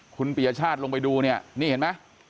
คุณปียชาติลงไปดูเนี่ยนี่เห็นไหม